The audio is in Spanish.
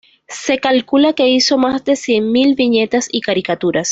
Se calcula que hizo más de cien mil viñetas y caricaturas.